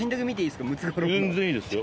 全然いいですよ。